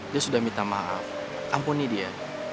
dia sudah minta maaf ampuni dia